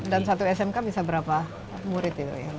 dan satu smk bisa berapa murid itu ya